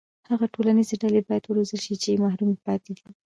هغه ټولنیزې ډلې باید وروزل شي چې محرومې پاتې دي.